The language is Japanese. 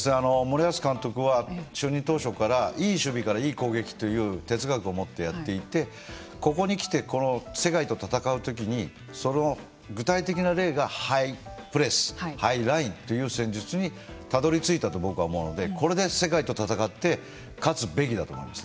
森保監督は就任当初からいい守備からいい攻撃という哲学を持ってやっていてここに来て世界と戦うときにその具体的な例がハイプレスハイラインという戦術にたどりついたと僕は思うのでこれで世界と戦って勝つべきだと思いますね。